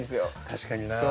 確かにな。